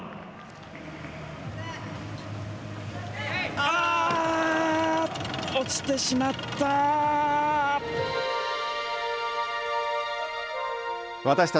あー、落ちてしまった。